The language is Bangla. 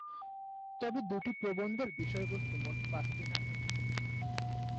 তবে দু’টি প্রবন্ধের বিষয়বস্তু মোট পাঁচটি নাটক।